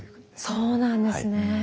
そうなんですね。